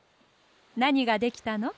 なにができたの？